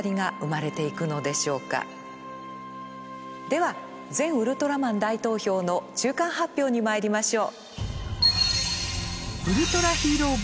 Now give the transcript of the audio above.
では「全ウルトラマン大投票」の中間発表にまいりましょう。